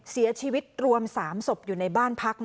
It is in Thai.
เสียชีวิตรวม๓ศพอยู่ในบ้านพัก